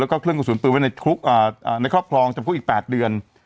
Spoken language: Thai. แล้วก็เครื่องกระสุนปืนไว้ในครอบครองจำคุกอีก๘เดือน